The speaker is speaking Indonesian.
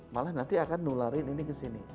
malah nanti akan nularin ini ke sini